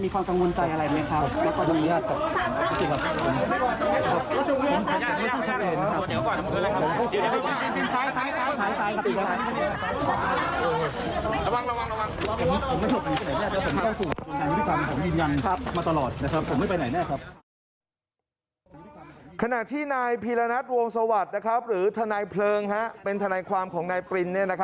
ขณะที่นายพีรณัฐวงสวัสดิ์หรือทนายเพลิงเป็นทนายความของนายปริน